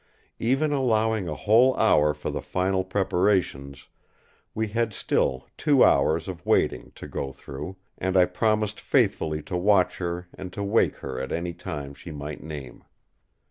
Even allowing a whole hour for the final preparations, we had still two hours of waiting to go through, and I promised faithfully to watch her and to awake her at any time she might name.